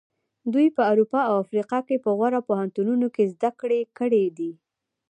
دوی په اروپا او امریکا کې په غوره پوهنتونونو کې زده کړې کړې دي.